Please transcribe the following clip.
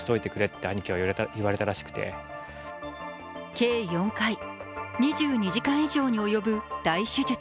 計４回、２２時間以上に及ぶ大手術。